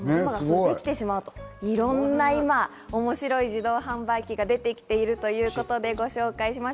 できてしまうという、いろんな今、面白い自動販売機が出てきているということでご紹介しまし